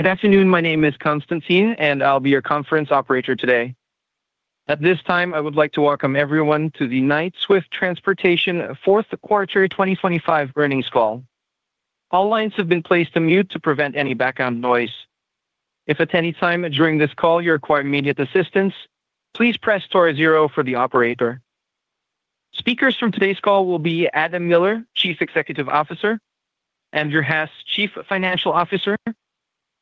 Good afternoon. My name is Constantine, and I'll be your conference operator today. At this time, I would like to welcome everyone to the Knight-Swift Transportation 4th Quarter 2025 earnings call. All lines have been placed to mute to prevent any background noise. If at any time during this call you require immediate assistance, please press star zero for the operator. Speakers from today's call will be Adam Miller, Chief Executive Officer; Andrew Hess, Chief Financial Officer;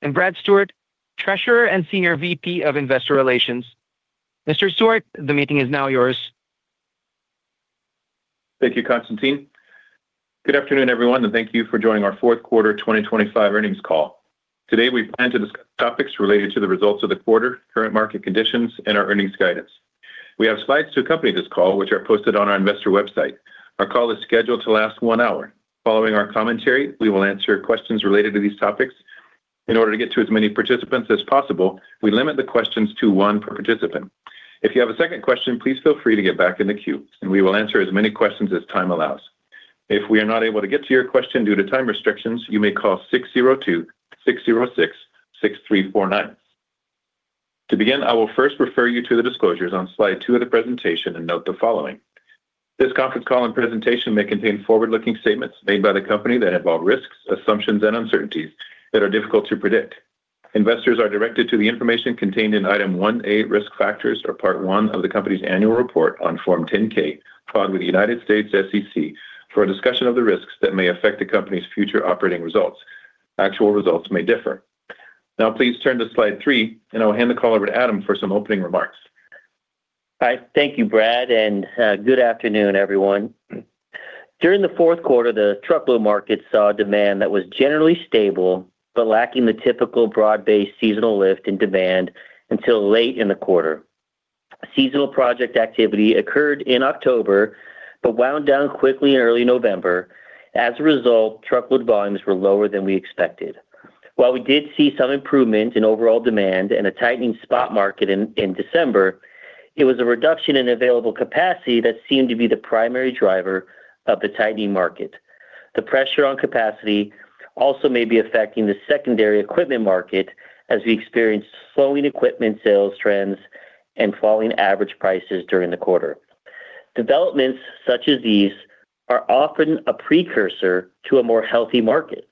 and Brad Stewart, Treasurer and Senior VP of Investor Relations. Mr. Stewart, the meeting is now yours. Thank you, Constantine. Good afternoon, everyone, and thank you for joining our 4th Quarter 2025 earnings call. Today, we plan to discuss topics related to the results of the quarter, current market conditions, and our earnings guidance. We have slides to accompany this call, which are posted on our investor website. Our call is scheduled to last one hour. Following our commentary, we will answer questions related to these topics. In order to get to as many participants as possible, we limit the questions to one per participant. If you have a second question, please feel free to get back in the queue, and we will answer as many questions as time allows. If we are not able to get to your question due to time restrictions, you may call 602-606-6349. To begin, I will first refer you to the disclosures on slide two of the presentation and note the following. This conference call and presentation may contain forward-looking statements made by the company that involve risks, assumptions, and uncertainties that are difficult to predict. Investors are directed to the information contained in Item 1A Risk Factors, or Part I of the company's annual report on Form 10-K, filed with the U.S. SEC, for a discussion of the risks that may affect the company's future operating results. Actual results may differ. Now, please turn to slide three, and I will hand the call over to Adam for some opening remarks. Thank you, Brad, and good afternoon, everyone. During the fourth quarter, the truckload market saw demand that was generally stable but lacking the typical broad-based seasonal lift in demand until late in the quarter. Seasonal project activity occurred in October but wound down quickly in early November. As a result, truckload volumes were lower than we expected. While we did see some improvement in overall demand and a tightening spot market in December, it was a reduction in available capacity that seemed to be the primary driver of the tightening market. The pressure on capacity also may be affecting the secondary equipment market as we experienced slowing equipment sales trends and falling average prices during the quarter. Developments such as these are often a precursor to a more healthy market.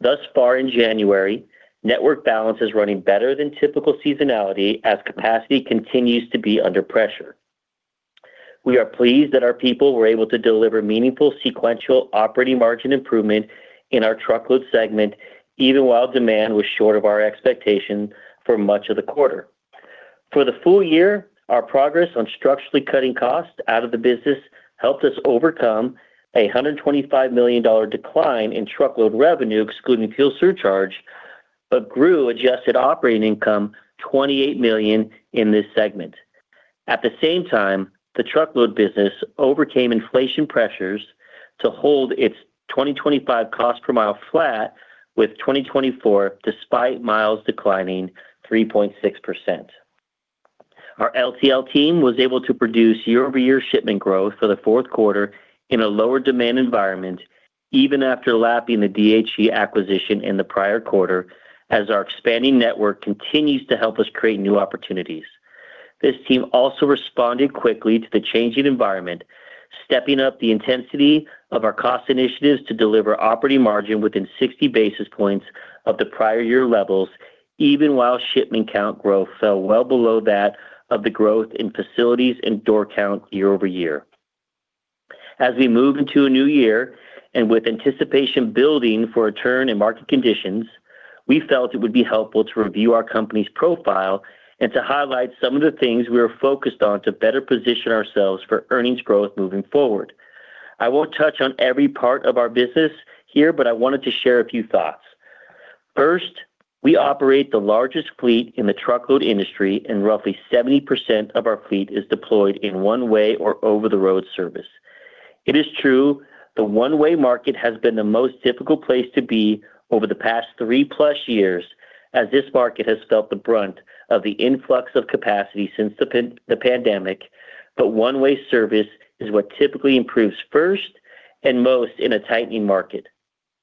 Thus far in January, network balance is running better than typical seasonality as capacity continues to be under pressure. We are pleased that our people were able to deliver meaningful sequential operating margin improvement in our truckload segment, even while demand was short of our expectation for much of the quarter. For the full year, our progress on structurally cutting costs out of the business helped us overcome a $125 million decline in truckload revenue, excluding fuel surcharge, but grew adjusted operating income $28 million in this segment. At the same time, the truckload business overcame inflation pressures to hold its 2025 cost per mile flat with 2024 despite miles declining 3.6%. Our LTL team was able to produce year-over-year shipment growth for the fourth quarter in a lower demand environment, even after lapping the DHE acquisition in the prior quarter, as our expanding network continues to help us create new opportunities. This team also responded quickly to the changing environment, stepping up the intensity of our cost initiatives to deliver operating margin within 60 basis points of the prior year levels, even while shipment count growth fell well below that of the growth in facilities and door count year-over-year. As we move into a new year and with anticipation building for a turn in market conditions, we felt it would be helpful to review our company's profile and to highlight some of the things we are focused on to better position ourselves for earnings growth moving forward. I won't touch on every part of our business here, but I wanted to share a few thoughts. First, we operate the largest fleet in the truckload industry, and roughly 70% of our fleet is deployed in one-way or over-the-road service. It is true the one-way market has been the most difficult place to be over the past 3+ years, as this market has felt the brunt of the influx of capacity since the pandemic, but one-way service is what typically improves first and most in a tightening market.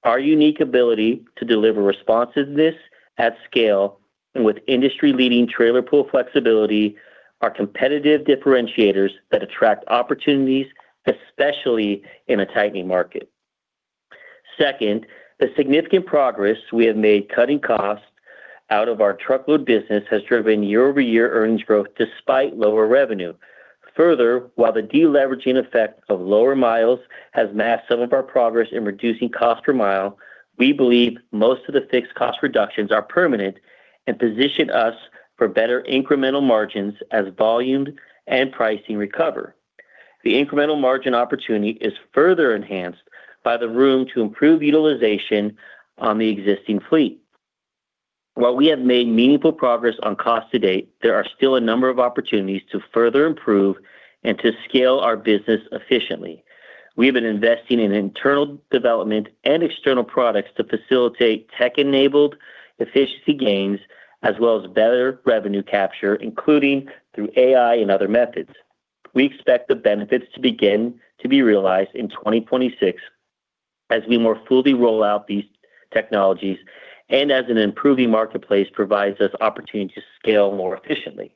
Our unique ability to deliver responsiveness at scale and with industry-leading trailer pool flexibility are competitive differentiators that attract opportunities, especially in a tightening market. Second, the significant progress we have made cutting costs out of our truckload business has driven year-over-year earnings growth despite lower revenue. Further, while the deleveraging effect of lower miles has masked some of our progress in reducing cost per mile, we believe most of the fixed cost reductions are permanent and position us for better incremental margins as volume and pricing recover. The incremental margin opportunity is further enhanced by the room to improve utilization on the existing fleet. While we have made meaningful progress on costs to date, there are still a number of opportunities to further improve and to scale our business efficiently. We have been investing in internal development and external products to facilitate tech-enabled efficiency gains as well as better revenue capture, including through AI and other methods. We expect the benefits to begin to be realized in 2026 as we more fully roll out these technologies and as an improving marketplace provides us opportunity to scale more efficiently.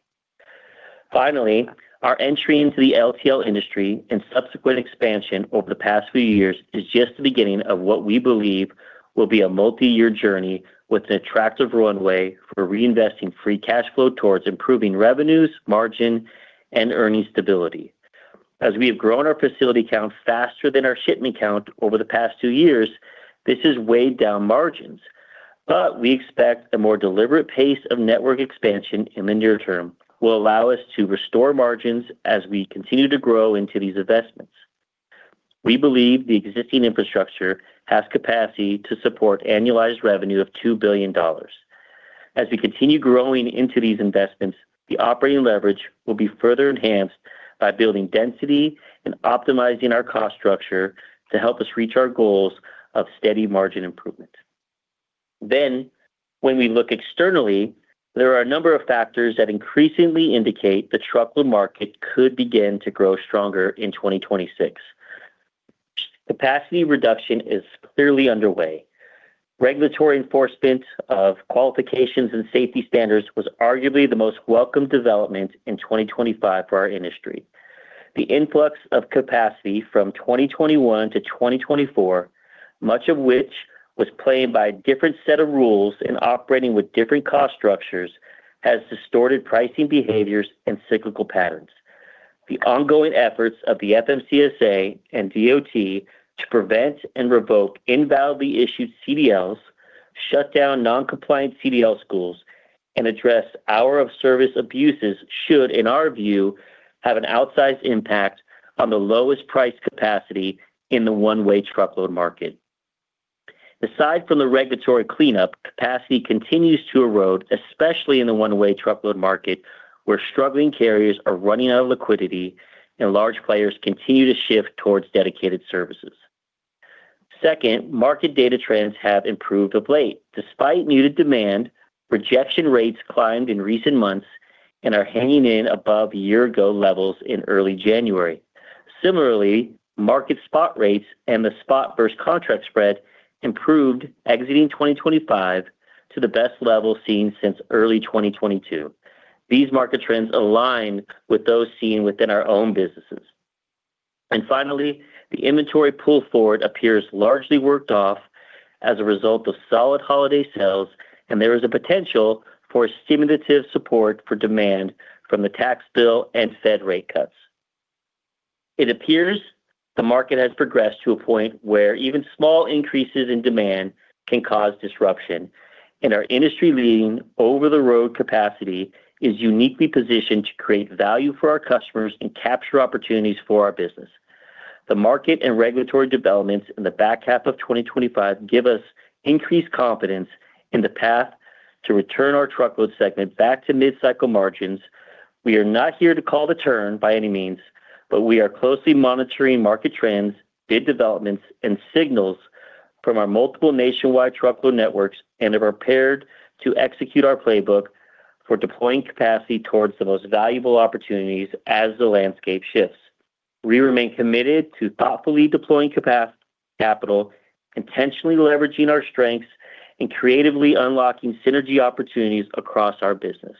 Finally, our entry into the LTL industry and subsequent expansion over the past few years is just the beginning of what we believe will be a multi-year journey with an attractive runway for reinvesting free cash flow towards improving revenues, margin, and earnings stability. As we have grown our facility count faster than our shipment count over the past two years, this has weighed down margins, but we expect a more deliberate pace of network expansion in the near term will allow us to restore margins as we continue to grow into these investments. We believe the existing infrastructure has capacity to support annualized revenue of $2 billion. As we continue growing into these investments, the operating leverage will be further enhanced by building density and optimizing our cost structure to help us reach our goals of steady margin improvement. When we look externally, there are a number of factors that increasingly indicate the truckload market could begin to grow stronger in 2026. Capacity reduction is clearly underway. Regulatory enforcement of qualifications and safety standards was arguably the most welcomed development in 2025 for our industry. The influx of capacity from 2021 to 2024, much of which was played by a different set of rules in operating with different cost structures, has distorted pricing behaviors and cyclical patterns. The ongoing efforts of the FMCSA and DOT to prevent and revoke invalidly issued CDLs, shut down non-compliant CDL schools, and address hours-of-service abuses should, in our view, have an outsized impact on the lowest-priced capacity in the one-way truckload market. Aside from the regulatory cleanup, capacity continues to erode, especially in the one-way truckload market, where struggling carriers are running out of liquidity and large players continue to shift towards dedicated services. Second, market data trends have improved of late. Despite muted demand, rejection rates climbed in recent months and are hanging in above year-ago levels in early January. Similarly, market spot rates and the spot versus contract spread improved, exiting 2025 to the best level seen since early 2022. These market trends align with those seen within our own businesses. And finally, the inventory pull forward appears largely worked off as a result of solid holiday sales, and there is a potential for stimulative support for demand from the tax bill and Fed rate cuts. It appears the market has progressed to a point where even small increases in demand can cause disruption, and our industry-leading over-the-road capacity is uniquely positioned to create value for our customers and capture opportunities for our business. The market and regulatory developments in the back half of 2025 give us increased confidence in the path to return our truckload segment back to mid-cycle margins. We are not here to call the turn by any means, but we are closely monitoring market trends, bid developments, and signals from our multiple nationwide truckload networks, and are prepared to execute our playbook for deploying capacity towards the most valuable opportunities as the landscape shifts. We remain committed to thoughtfully deploying capital, intentionally leveraging our strengths, and creatively unlocking synergy opportunities across our business.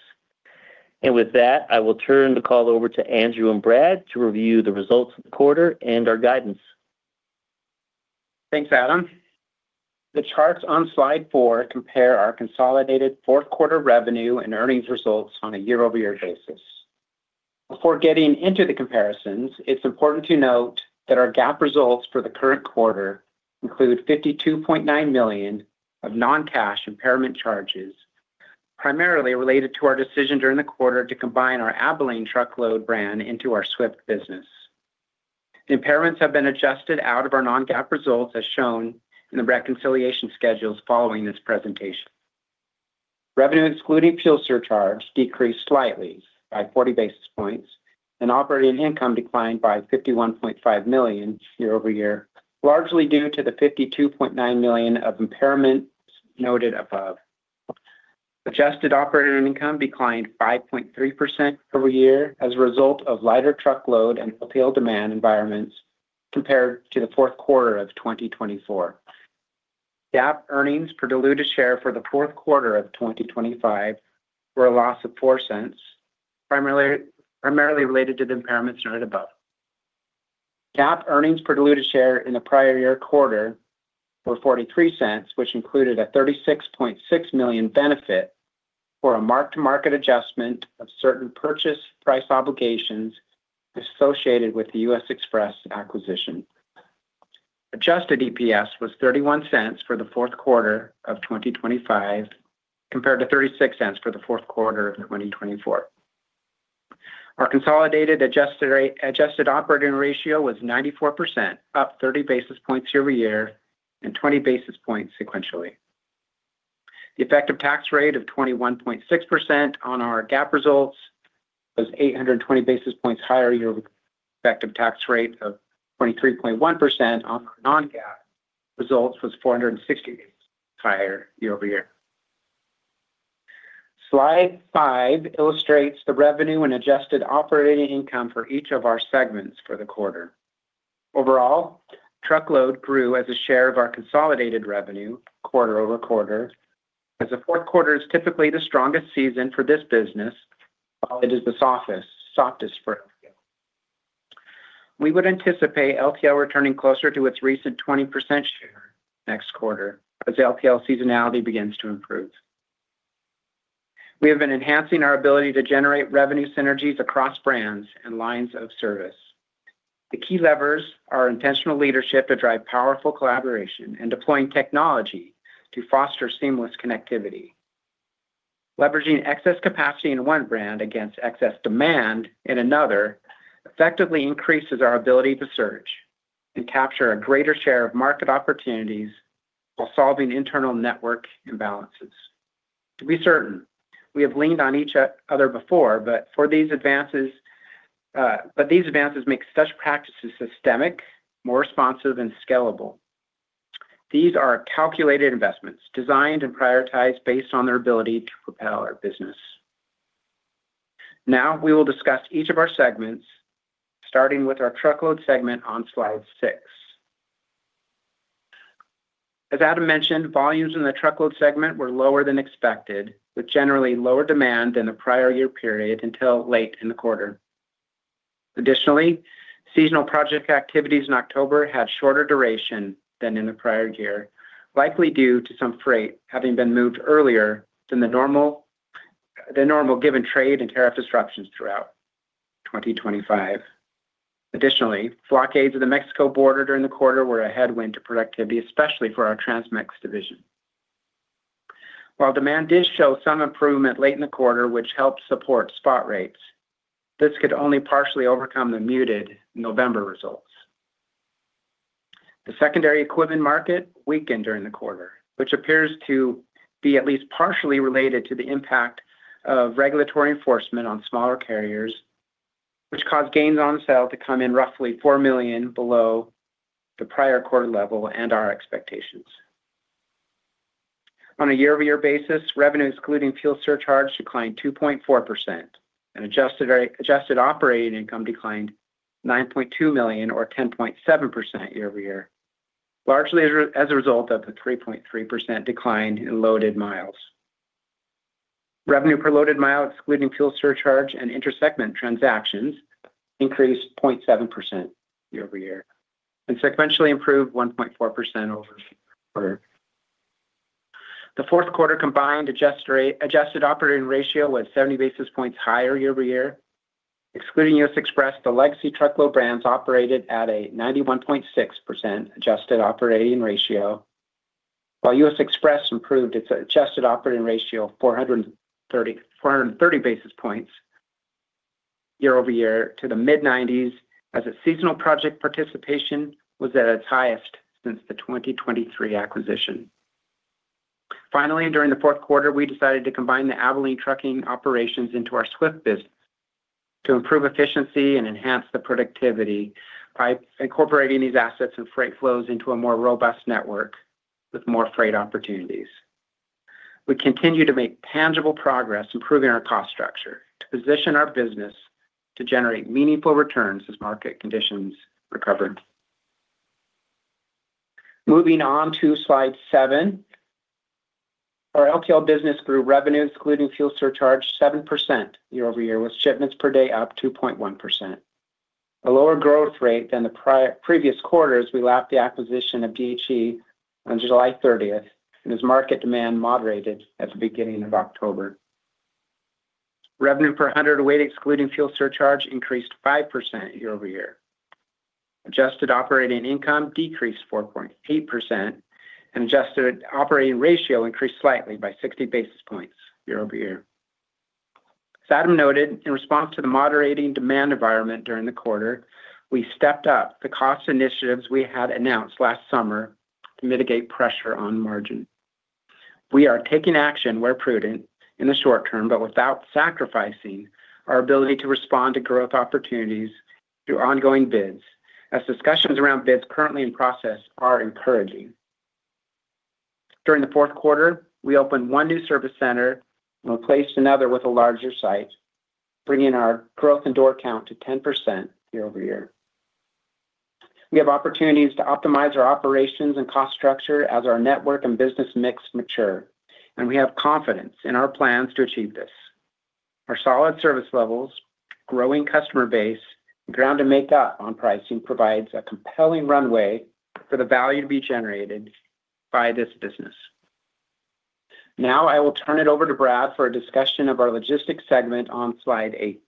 And with that, I will turn the call over to Andrew and Brad to review the results of the quarter and our guidance. Thanks, Adam. The charts on slide four compare our consolidated fourth-quarter revenue and earnings results on a year-over-year basis. Before getting into the comparisons, it's important to note that our GAAP results for the current quarter include $52.9 million of non-cash impairment charges, primarily related to our decision during the quarter to combine our Abilene truckload brand into our Swift business. Impairments have been adjusted out of our non-GAAP results, as shown in the reconciliation schedules following this presentation. Revenue excluding fuel surcharge decreased slightly by 40 basis points, and operating income declined by $51.5 million year-over-year, largely due to the $52.9 million of impairment noted above. Adjusted operating income declined 5.3% over a year as a result of lighter truckload and LTL demand environments compared to the fourth quarter of 2024. GAAP earnings per diluted share for the fourth quarter of 2025 were a loss of $0.04, primarily related to the impairments noted above. GAAP earnings per diluted share in the prior year quarter were $0.43, which included a $36.6 million benefit for a mark-to-market adjustment of certain purchase price obligations associated with the U.S. Xpress acquisition. Adjusted EPS was $0.31 for the fourth quarter of 2025 compared to $0.36 for the fourth quarter of 2024. Our consolidated adjusted operating ratio was 94%, up 30 basis points year-over-year and 20 basis points sequentially. The effective tax rate of 21.6% on our GAAP results was 820 basis points higher year-over-year. The effective tax rate of 23.1% on our non-GAAP results was 460 basis points higher year-over-year. Slide five illustrates the revenue and adjusted operating income for each of our segments for the quarter. Overall, truckload grew as a share of our consolidated revenue quarter-over-quarter, as the fourth quarter is typically the strongest season for this business, while it is the softest for LTL. We would anticipate LTL returning closer to its recent 20% share next quarter as LTL seasonality begins to improve. We have been enhancing our ability to generate revenue synergies across brands and lines of service. The key levers are intentional leadership to drive powerful collaboration and deploying technology to foster seamless connectivity. Leveraging excess capacity in one brand against excess demand in another effectively increases our ability to search and capture a greater share of market opportunities while solving internal network imbalances. To be certain, we have leaned on each other before, but these advances make such practices systemic, more responsive, and scalable. These are calculated investments designed and prioritized based on their ability to propel our business. Now, we will discuss each of our segments, starting with our truckload segment on slide six. As Adam mentioned, volumes in the truckload segment were lower than expected, with generally lower demand than the prior year period until late in the quarter. Additionally, seasonal project activities in October had shorter duration than in the prior year, likely due to some freight having been moved earlier than normal given trade and tariff disruptions throughout 2025. Additionally, blockades at the Mexico border during the quarter were a headwind to productivity, especially for our TransMex division. While demand did show some improvement late in the quarter, which helped support spot rates, this could only partially overcome the muted November results. The secondary equipment market weakened during the quarter, which appears to be at least partially related to the impact of regulatory enforcement on smaller carriers, which caused gains on sale to come in roughly $4 million below the prior quarter level and our expectations. On a year-over-year basis, revenue excluding fuel surcharge declined 2.4%, and adjusted operating income declined $9.2 million, or 10.7% year-over-year, largely as a result of the 3.3% decline in loaded miles. Revenue per loaded mile excluding fuel surcharge and intersegment transactions increased 0.7% year-over-year and sequentially improved 1.4% over the quarter. The fourth quarter combined adjusted operating ratio was 70 basis points higher year-over-year. Excluding U.S. Xpress, the legacy truckload brands operated at a 91.6% adjusted operating ratio, while U.S. Xpress improved its adjusted operating ratio of 430 basis points year-over-year to the mid-1990s, as its seasonal project participation was at its highest since the 2023 acquisition. Finally, during the fourth quarter, we decided to combine the Abilene trucking operations into our Swift business to improve efficiency and enhance the productivity by incorporating these assets and freight flows into a more robust network with more freight opportunities. We continue to make tangible progress improving our cost structure to position our business to generate meaningful returns as market conditions recover. Moving on to slide seven, our LTL business grew revenue excluding fuel surcharge 7% year-over-year, with shipments per day up 2.1%. A lower growth rate than the previous quarter as we lapped the acquisition of DHE on July 30th, and as market demand moderated at the beginning of October. Revenue per hundredweight excluding fuel surcharge increased 5% year-over-year. Adjusted operating income decreased 4.8%, and adjusted operating ratio increased slightly by 60 basis points year-over-year. As Adam noted, in response to the moderating demand environment during the quarter, we stepped up the cost initiatives we had announced last summer to mitigate pressure on margin. We are taking action where prudent in the short term, but without sacrificing our ability to respond to growth opportunities through ongoing bids, as discussions around bids currently in process are encouraging. During the fourth quarter, we opened one new service center and replaced another with a larger site, bringing our growth in door count to 10% year-over-year. We have opportunities to optimize our operations and cost structure as our network and business mix mature, and we have confidence in our plans to achieve this. Our solid service levels, growing customer base, and ground to make up on pricing provide a compelling runway for the value to be generated by this business. Now, I will turn it over to Brad for a discussion of our logistics segment on slide eight.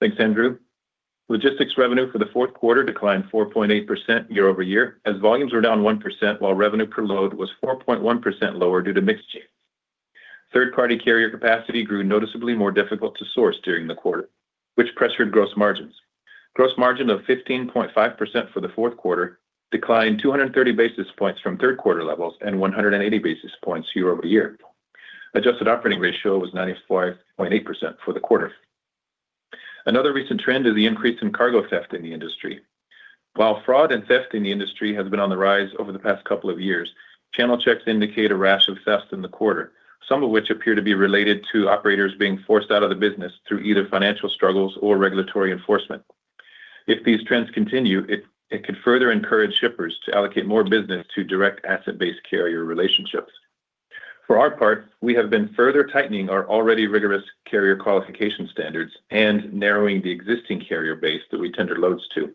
Thanks, Andrew. Logistics revenue for the fourth quarter declined 4.8% year-over-year, as volumes were down 1%, while revenue per load was 4.1% lower due to mixed change. Third-party carrier capacity grew noticeably more difficult to source during the quarter, which pressured gross margins. Gross margin of 15.5% for the fourth quarter declined 230 basis points from third-quarter levels and 180 basis points year-over-year. Adjusted operating ratio was 95.8% for the quarter. Another recent trend is the increase in cargo theft in the industry. While fraud and theft in the industry have been on the rise over the past couple of years, channel checks indicate a rash of theft in the quarter, some of which appear to be related to operators being forced out of the business through either financial struggles or regulatory enforcement. If these trends continue, it could further encourage shippers to allocate more business to direct asset-based carrier relationships. For our part, we have been further tightening our already rigorous carrier qualification standards and narrowing the existing carrier base that we tender loads to.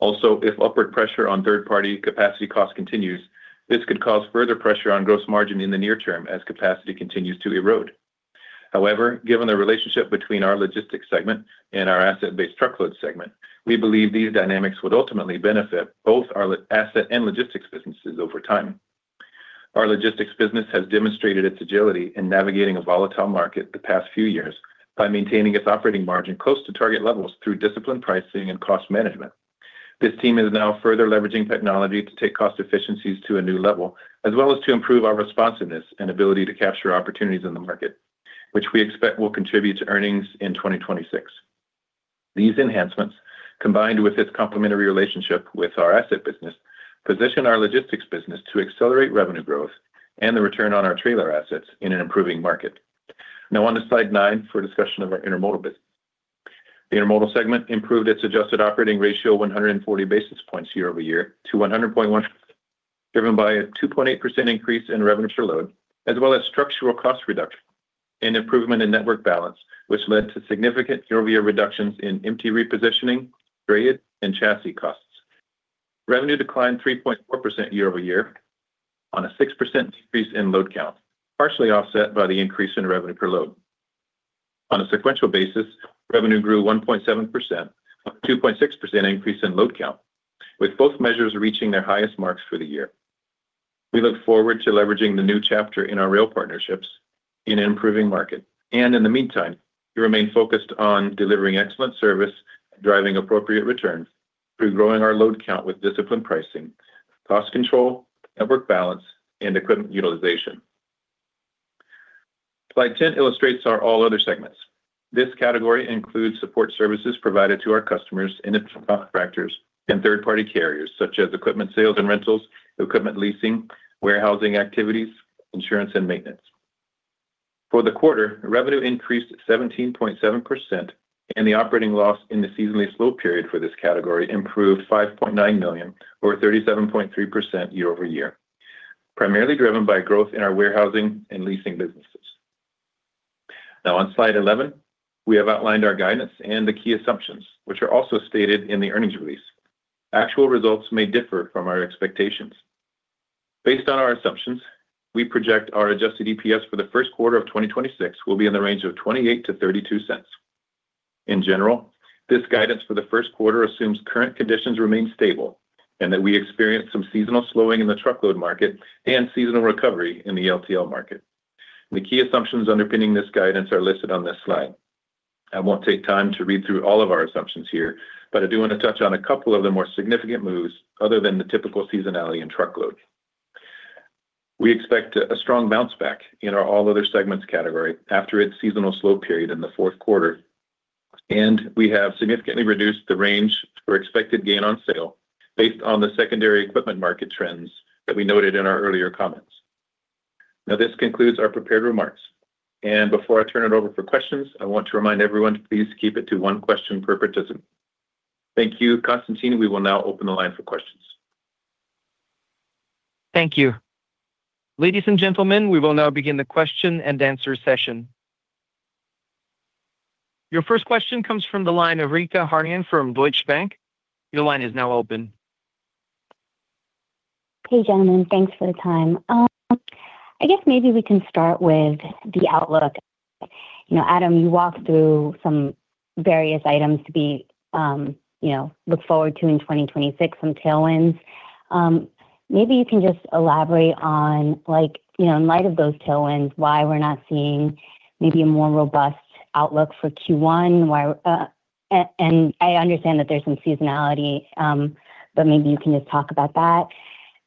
Also, if upward pressure on third-party capacity costs continues, this could cause further pressure on gross margin in the near term as capacity continues to erode. However, given the relationship between our logistics segment and our asset-based truckload segment, we believe these dynamics would ultimately benefit both our asset and logistics businesses over time. Our logistics business has demonstrated its agility in navigating a volatile market the past few years by maintaining its operating margin close to target levels through disciplined pricing and cost management. This team is now further leveraging technology to take cost efficiencies to a new level, as well as to improve our responsiveness and ability to capture opportunities in the market, which we expect will contribute to earnings in 2026. These enhancements, combined with its complementary relationship with our asset business, position our logistics business to accelerate revenue growth and the return on our trailer assets in an improving market. Now, on to slide nine for a discussion of our intermodal business. The intermodal segment improved its adjusted operating ratio of 140 basis points year-over-year to 100.1%, driven by a 2.8% increase in revenue per load, as well as structural cost reduction and improvement in network balance, which led to significant year-over-year reductions in empty repositioning, drayage, and chassis costs. Revenue declined 3.4% year-over-year on a 6% decrease in load count, partially offset by the increase in revenue per load. On a sequential basis, revenue grew 1.7% on a 2.6% increase in load count, with both measures reaching their highest marks for the year. We look forward to leveraging the new chapter in our rail partnerships in an improving market. And in the meantime, we remain focused on delivering excellent service and driving appropriate returns through growing our load count with disciplined pricing, cost control, network balance, and equipment utilization. Slide 10 illustrates our all-other segments. This category includes support services provided to our D and contractors and third-party carriers, such as equipment sales and rentals, equipment leasing, warehousing activities, insurance, and maintenance. For the quarter, revenue increased 17.7%, and the operating loss in the seasonally slow period for this category improved $5.9 million, or 37.3% year-over-year, primarily driven by growth in our warehousing and leasing businesses. Now, on slide 11, we have outlined our guidance and the key assumptions, which are also stated in the earnings release. Actual results may differ from our expectations. Based on our assumptions, we project our adjusted EPS for the first quarter of 2026 will be in the range of $0.28-$0.32. In general, this guidance for the first quarter assumes current conditions remain stable and that we experience some seasonal slowing in the truckload market and seasonal recovery in the LTL market. The key assumptions underpinning this guidance are listed on this slide. I won't take time to read through all of our assumptions here, but I do want to touch on a couple of the more significant moves other than the typical seasonality in truckload. We expect a strong bounce back in our all-other segments category after its seasonal slow period in the fourth quarter, and we have significantly reduced the range for expected gain on sale based on the secondary equipment market trends that we noted in our earlier comments. Now, this concludes our prepared remarks, and before I turn it over for questions, I want to remind everyone to please keep it to one question per participant. Thank you, Constantine. We will now open the line for questions. Thank you. Ladies and gentlemen, we will now begin the question-and-answer session. Your first question comes from the line of Richa Harnain from Deutsche Bank. Your line is now open. Hey, gentlemen, thanks for the time. I guess maybe we can start with the outlook. Adam, you walked through some various items to look forward to in 2026, some tailwinds. Maybe you can just elaborate on, in light of those tailwinds, why we're not seeing maybe a more robust outlook for Q1. And I understand that there's some seasonality, but maybe you can just talk about that.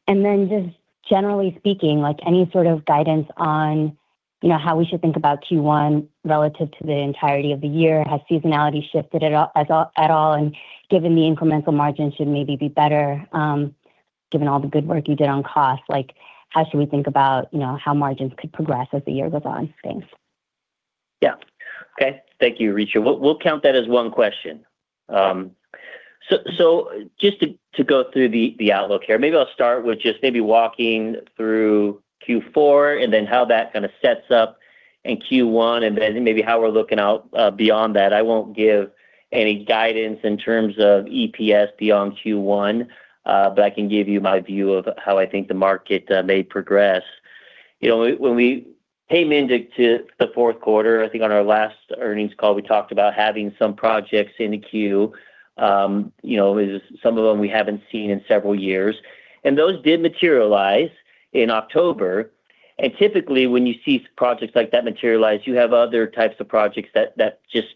And then just generally speaking, any sort of guidance on how we should think about Q1 relative to the entirety of the year? Has seasonality shifted at all? And given the incremental margin should maybe be better, given all the good work you did on costs, how should we think about how margins could progress as the year goes on? Thanks. Yeah. Okay. Thank you, Rita. We'll count that as one question. So just to go through the outlook here, maybe I'll start with just maybe walking through Q4 and then how that kind of sets up in Q1, and then maybe how we're looking out beyond that. I won't give any guidance in terms of EPS beyond Q1, but I can give you my view of how I think the market may progress. When we came into the fourth quarter, I think on our last earnings call, we talked about having some projects in the queue. Some of them we haven't seen in several years, and those did materialize in October. Typically, when you see projects like that materialize, you have other types of projects that just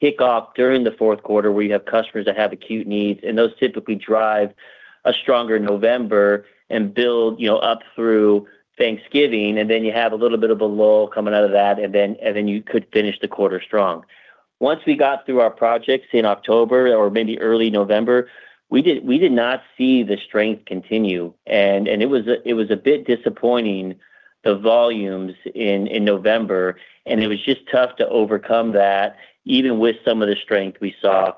kick off during the fourth quarter where you have customers that have acute needs, and those typically drive a stronger November and build up through Thanksgiving. Then you have a little bit of a lull coming out of that, and then you could finish the quarter strong. Once we got through our projects in October or maybe early November, we did not see the strength continue. It was a bit disappointing, the volumes in November, and it was just tough to overcome that, even with some of the strength we saw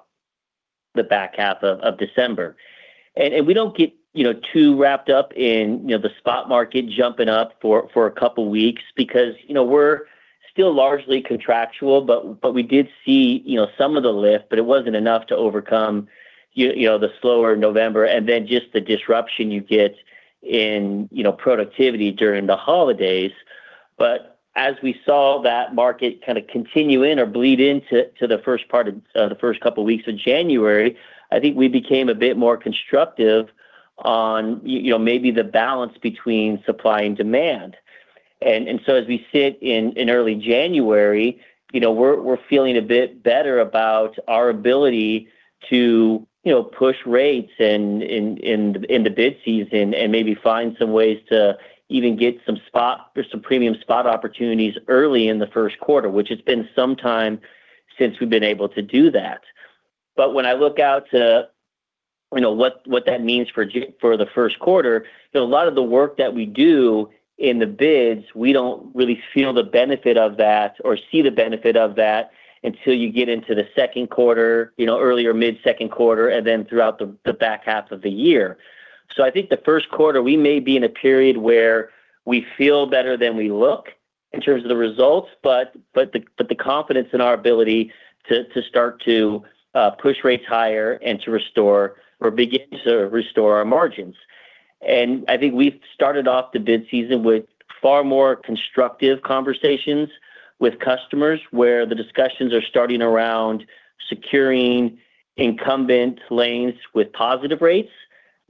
the back half of December. And we don't get too wrapped up in the spot market jumping up for a couple of weeks because we're still largely contractual, but we did see some of the lift, but it wasn't enough to overcome the slower November and then just the disruption you get in productivity during the holidays. But as we saw that market kind of continue in or bleed into the first part of the first couple of weeks of January, I think we became a bit more constructive on maybe the balance between supply and demand. And so as we sit in early January, we're feeling a bit better about our ability to push rates in the bid season and maybe find some ways to even get some premium spot opportunities early in the first quarter, which has been some time since we've been able to do that. But when I look out to what that means for the first quarter, a lot of the work that we do in the bids, we don't really feel the benefit of that or see the benefit of that until you get into the second quarter, earlier mid-second quarter, and then throughout the back half of the year. So I think the first quarter, we may be in a period where we feel better than we look in terms of the results, but the confidence in our ability to start to push rates higher and to restore or begin to restore our margins, and I think we've started off the bid season with far more constructive conversations with customers where the discussions are starting around securing incumbent lanes with positive rates.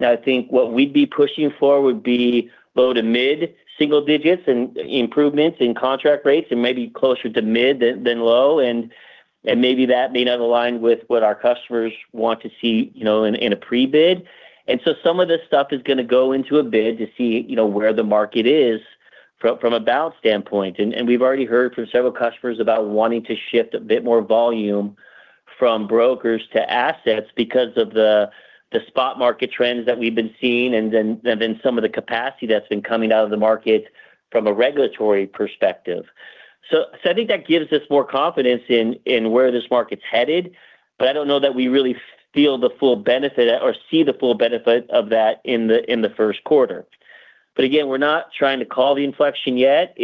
Now, I think what we'd be pushing for would be low to mid single digits and improvements in contract rates and maybe closer to mid than low. And maybe that may not align with what our customers want to see in a pre-bid. And so some of this stuff is going to go into a bid to see where the market is from a balance standpoint. And we've already heard from several customers about wanting to shift a bit more volume from brokers to assets because of the spot market trends that we've been seeing and then some of the capacity that's been coming out of the market from a regulatory perspective. So I think that gives us more confidence in where this market's headed, but I don't know that we really feel the full benefit or see the full benefit of that in the first quarter. But again, we're not trying to call the inflection yet.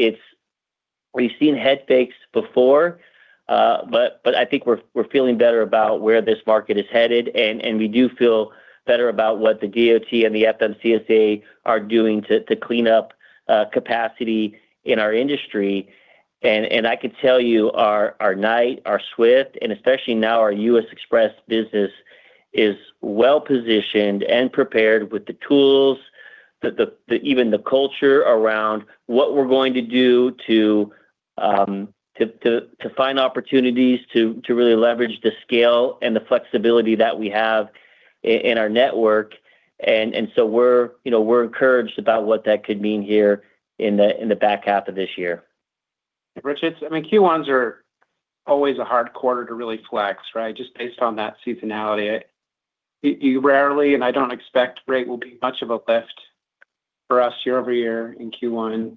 We've seen head fakes before, but I think we're feeling better about where this market is headed. And we do feel better about what the DOT and the FMCSA are doing to clean up capacity in our industry. And I can tell you our Knight, our Swift, and especially now our U.S. Xpress business is well-positioned and prepared with the tools, even the culture around what we're going to do to find opportunities to really leverage the scale and the flexibility that we have in our network. And so we're encouraged about what that could mean here in the back half of this year. Rita, I mean, Q1s are always a hard quarter to really flex, right? Just based on that seasonality, you rarely, and I don't expect rate will be much of a lift for us year-over-year in Q1.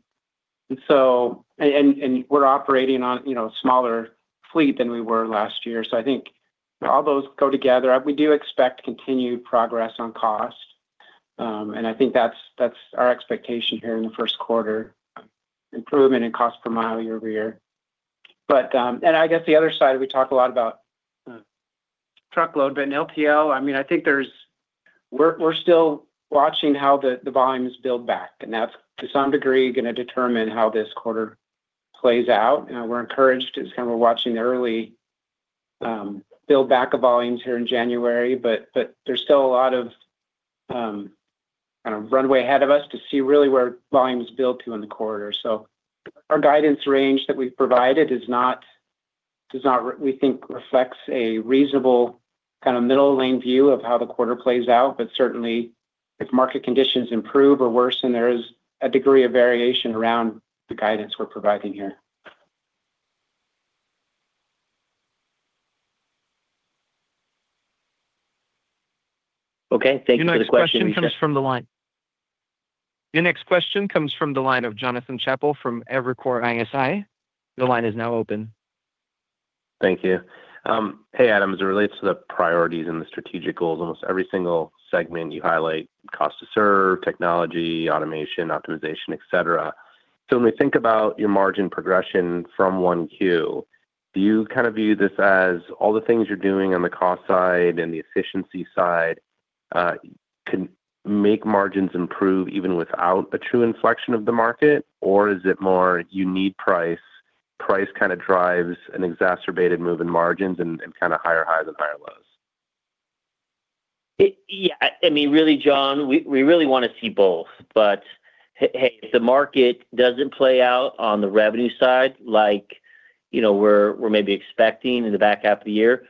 And we're operating on a smaller fleet than we were last year. So I think all those go together. We do expect continued progress on cost. And I think that's our expectation here in the first quarter, improvement in cost per mile year-over-year. And I guess the other side, we talk a lot about truckload, but in LTL, I mean, I think we're still watching how the volumes build back. And that's to some degree going to determine how this quarter plays out. We're encouraged as kind of we're watching the early build-back of volumes here in January, but there's still a lot of kind of runway ahead of us to see really where volumes build to in the quarter, so our guidance range that we've provided does not, we think, reflects a reasonable kind of middle lane view of how the quarter plays out, but certainly, if market conditions improve or worsen, there is a degree of variation around the guidance we're providing here. Okay. Thanks for the question. Your next question comes from the line. Your next question comes from the line of Jonathan Chappell from Evercore ISI. The line is now open. Thank you. Hey, Adam, as it relates to the priorities and the strategic goals, almost every single segment you highlight, cost to serve, technology, automation, optimization, etc. So when we think about your margin progression from 1Q, do you kind of view this as all the things you're doing on the cost side and the efficiency side can make margins improve even without a true inflection of the market? Or is it more you need price, price kind of drives an exacerbated move in margins and kind of higher highs and higher lows? Yeah. I mean, really, John, we really want to see both. But hey, if the market doesn't play out on the revenue side like we're maybe expecting in the back half of the year,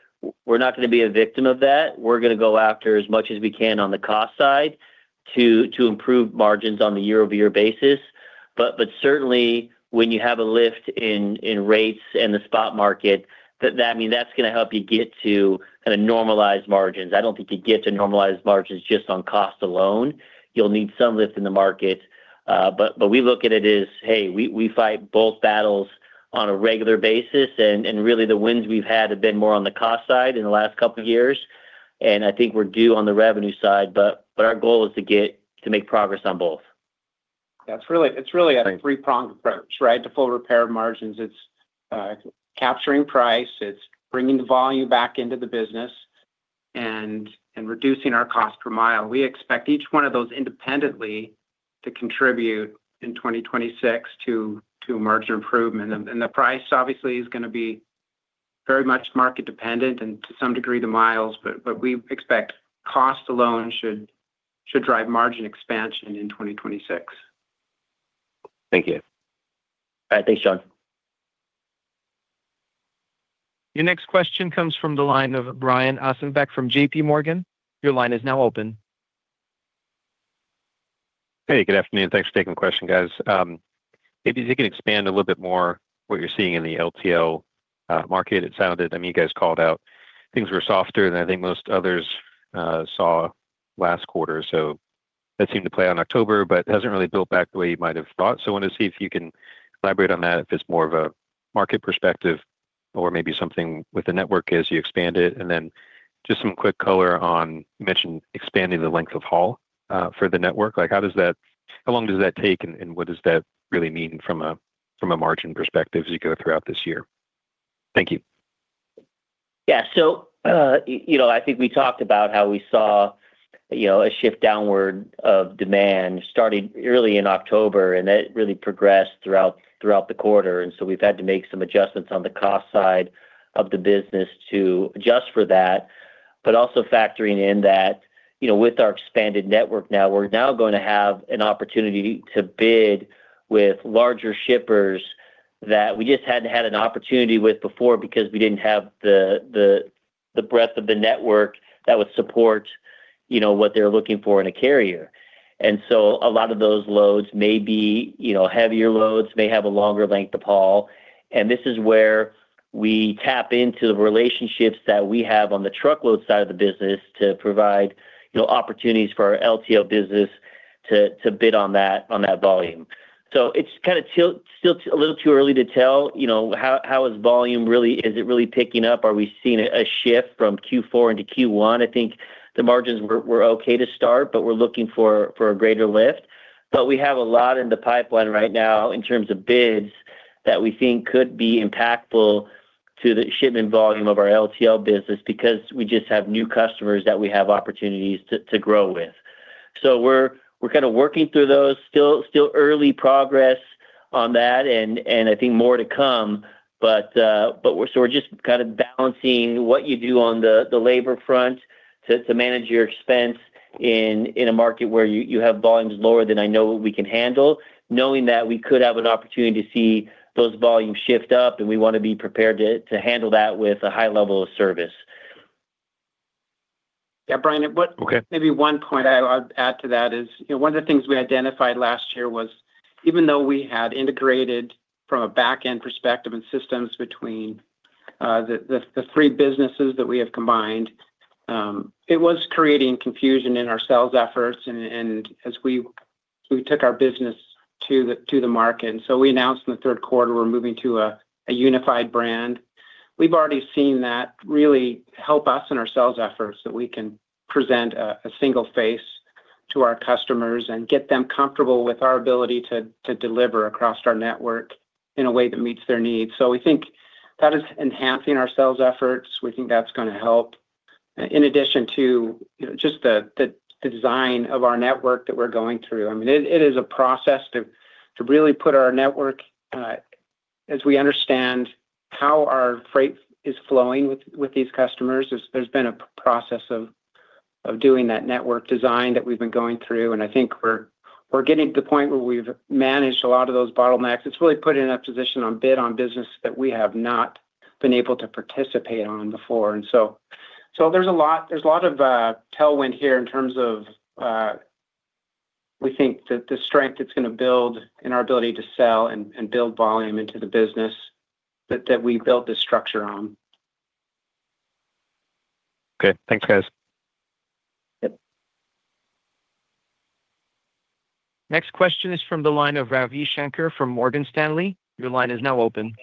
we're not going to be a victim of that. We're going to go after as much as we can on the cost side to improve margins on the year-over-year basis. But certainly, when you have a lift in rates and the spot market, I mean, that's going to help you get to kind of normalized margins. I don't think you get to normalized margins just on cost alone. You'll need some lift in the market. But we look at it as, hey, we fight both battles on a regular basis. And really, the wins we've had have been more on the cost side in the last couple of years. I think we're due on the revenue side. Our goal is to make progress on both. That's really a three-pronged approach, right? The full repair of margins. It's capturing price. It's bringing the volume back into the business and reducing our cost per mile. We expect each one of those independently to contribute in 2026 to margin improvement, and the price, obviously, is going to be very much market-dependent and to some degree the miles, but we expect cost alone should drive margin expansion in 2026. Thank you. All right. Thanks, John. Your next question comes from the line of Brian Ossenbeck from J.P. Morgan. Your line is now open. Hey, good afternoon. Thanks for taking the question, guys. Maybe if you can expand a little bit more what you're seeing in the LTL market. It sounded, I mean, you guys called out things were softer than I think most others saw last quarter. So that seemed to play out in October, but it hasn't really built back the way you might have thought. So I want to see if you can elaborate on that, if it's more of a market perspective or maybe something with the network as you expand it? And then just some quick color on, you mentioned expanding the length of haul for the network. How long does that take and what does that really mean from a margin perspective as you go throughout this year? Thank you. Yeah. So I think we talked about how we saw a shift downward of demand starting early in October, and that really progressed throughout the quarter. And so we've had to make some adjustments on the cost side of the business to adjust for that. But also factoring in that with our expanded network now, we're now going to have an opportunity to bid with larger shippers that we just hadn't had an opportunity with before because we didn't have the breadth of the network that would support what they're looking for in a carrier. And so a lot of those loads, maybe heavier loads, may have a longer length of haul. And this is where we tap into the relationships that we have on the truckload side of the business to provide opportunities for our LTL business to bid on that volume. So it's kind of still a little too early to tell how is volume really, is it really picking up? Are we seeing a shift from Q4 into Q1? I think the margins were okay to start, but we're looking for a greater lift. But we have a lot in the pipeline right now in terms of bids that we think could be impactful to the shipment volume of our LTL business because we just have new customers that we have opportunities to grow with. So we're kind of working through those. Still early progress on that, and I think more to come. But, so we're just kind of balancing what you do on the labor front to manage your expense in a market where you have volumes lower than I know we can handle, knowing that we could have an opportunity to see those volumes shift up, and we want to be prepared to handle that with a high level of service. Yeah, Brian, maybe one point I'll add to that is one of the things we identified last year was even though we had integrated from a back-end perspective and systems between the three businesses that we have combined, it was creating confusion in our sales efforts and as we took our business to the market, and so we announced in the third quarter we're moving to a unified brand. We've already seen that really help us in our sales efforts that we can present a single face to our customers and get them comfortable with our ability to deliver across our network in a way that meets their needs, so we think that is enhancing our sales efforts. We think that's going to help in addition to just the design of our network that we're going through. I mean, it is a process to really put our network as we understand how our freight is flowing with these customers. There's been a process of doing that network design that we've been going through, and I think we're getting to the point where we've managed a lot of those bottlenecks. It's really put in a position on bid on business that we have not been able to participate on before, and so there's a lot of tailwind here in terms of we think that the strength that's going to build in our ability to sell and build volume into the business that we build the structure on. Okay. Thanks, guys. Next question is from the line of Ravi Shanker from Morgan Stanley. Your line is now open.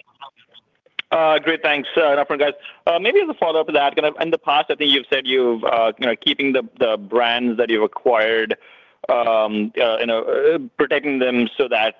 Great. Thanks a lot, guys. Maybe as a follow-up to that, in the past, I think you've said you're keeping the brands that you've acquired, protecting them so that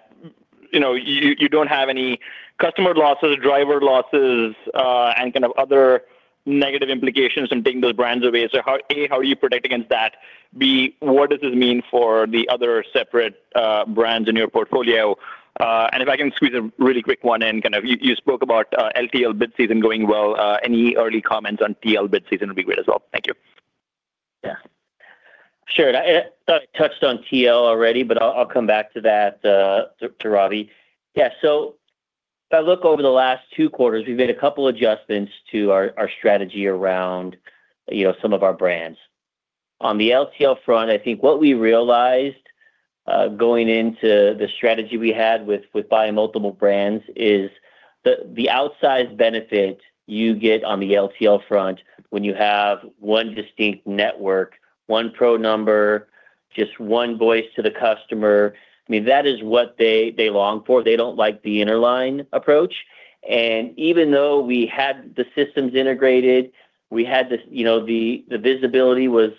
you don't have any customer losses, driver losses, and kind of other negative implications from taking those brands away. So A, how do you protect against that? B, what does this mean for the other separate brands in your portfolio? And if I can squeeze a really quick one in, kind of you spoke about LTL bid season going well. Any early comments on TL bid season would be great as well. Thank you. Yeah. Sure. I thought I touched on TL already, but I'll come back to that, to Ravi. Yeah. So if I look over the last two quarters, we've made a couple of adjustments to our strategy around some of our brands. On the LTL front, I think what we realized going into the strategy we had with buying multiple brands is the outsized benefit you get on the LTL front when you have one distinct network, one pro number, just one voice to the customer. I mean, that is what they long for. They don't like the interline approach. And even though we had the systems integrated, we had the visibility was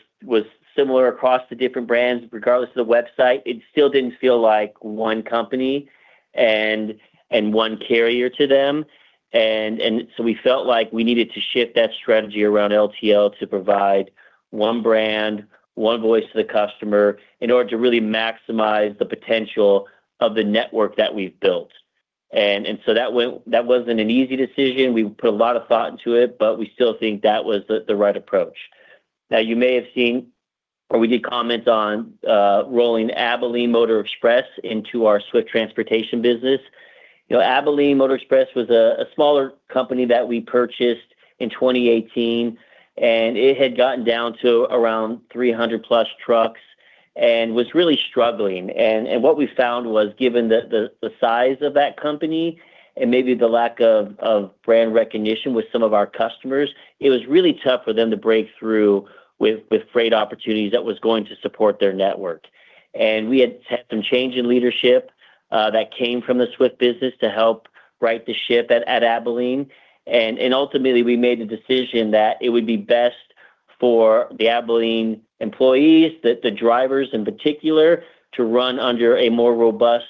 similar across the different brands, regardless of the website. It still didn't feel like one company and one carrier to them. And so we felt like we needed to shift that strategy around LTL to provide one brand, one voice to the customer in order to really maximize the potential of the network that we've built. And so that wasn't an easy decision. We put a lot of thought into it, but we still think that was the right approach. Now, you may have seen or we did comments on rolling Abilene Motor Express into our Swift Transportation business. Abilene Motor Express was a smaller company that we purchased in 2018, and it had gotten down to around 300+ trucks and was really struggling. And what we found was, given the size of that company and maybe the lack of brand recognition with some of our customers, it was really tough for them to break through with freight opportunities that was going to support their network. And we had had some change in leadership that came from the Swift business to help right the ship at Abilene. And ultimately, we made the decision that it would be best for the Abilene employees, the drivers in particular, to run under a more robust